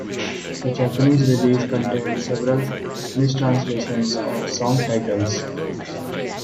The Japanese release contained several mistranslations of song titles.